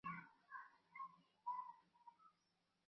দীর্ঘ নিঃশ্বাসটি কেন ফেললেন, এই নিয়ে ভাবতে চেষ্টা করলেন।